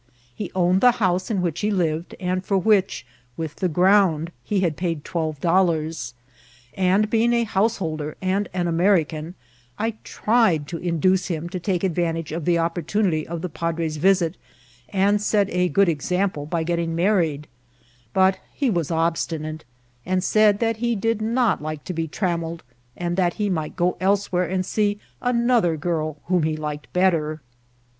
He owned the house in which he lived, and for which, with the ground, he had paid twelve dollars ; and being a householder and an American, I tried to induce him to take advantage of the opportunity of the padre's visit, and set a good ex ample by getting married; but he vras obstinate, and said that he did not like to be trammelled, and that he might go elsewhere and see another girl whom he liked better.